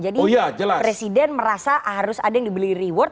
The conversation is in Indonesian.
presiden merasa harus ada yang dibeli reward